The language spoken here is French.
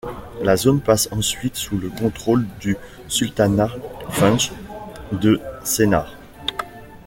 La zone passe ensuite sous le contrôle du Sultanat Funj de Sennar.